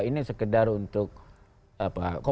ini sekedar untuk